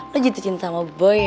lo jatuh cinta sama boy